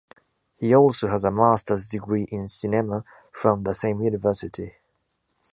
He also has a Master’s Degree in Cinema from the same university.